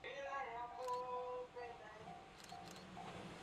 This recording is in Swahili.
Wafaransa nao walifika katika kisiwa hicho